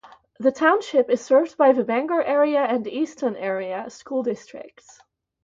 The township is served by the Bangor Area and Easton Area School Districts.